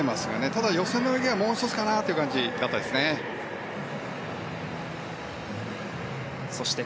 ただ、予選の泳ぎはもう一つかなという感じでしたね。